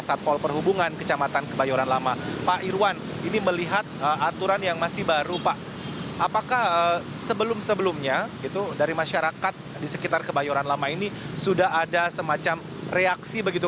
apakah sebelum sebelumnya dari masyarakat di sekitar kebayoran lama ini sudah ada semacam reaksi begitu